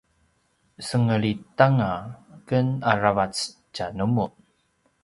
senglit anga ken aravac tja numun